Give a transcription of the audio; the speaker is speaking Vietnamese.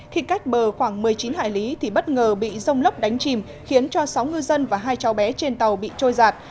khi cách bờ khoảng một mươi chín hải lý thì bất ngờ bị rông lốc đánh chìm khiến cho sáu ngư dân và hai cháu bé trên tàu bị trôi giạt